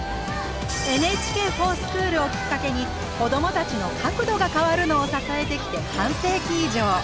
「ＮＨＫｆｏｒＳｃｈｏｏｌ」をきっかけに子どもたちの「かくど」が変わるのを支えてきて半世紀以上。